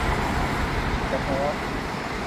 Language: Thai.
อย่าท้อ